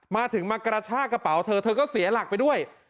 มาถึงมากระชากระเป๋าเธอเธอก็เสียหลักไปด้วย